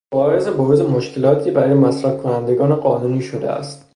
باعث بروز مشکلاتی برای مصرفکنندگان قانونی شده است